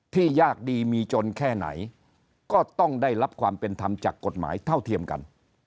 ยากดีมีจนแค่ไหนก็ต้องได้รับความเป็นธรรมจากกฎหมายเท่าเทียมกัน